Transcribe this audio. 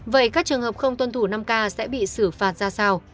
vậy các trường hợp không tuân thủ năm k sẽ bị xử phạt ra sao